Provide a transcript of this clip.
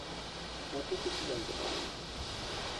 তাতেও কিছু জানতে পারিনি।